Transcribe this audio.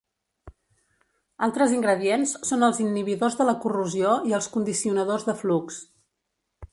Altres ingredients són els inhibidors de la corrosió i els condicionadors de flux.